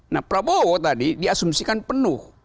nah prabowo tadi diasumsikan penuh